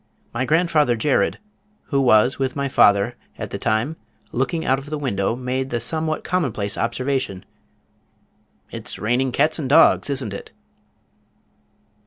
My grandfather, Jared, who was with my father at the time looking out of the window made the somewhat commonplace observation "It's raining cats and dogs, isn't it?"